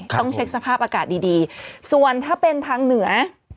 ต้องเช็คสภาพอากาศดีดีส่วนถ้าเป็นทางเหนือ